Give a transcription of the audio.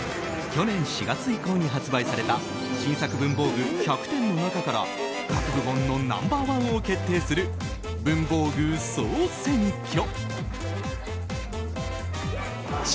去年４月以降に発売された新作文房具１００点の中から各部門のナンバー１を決定する文房具総選挙。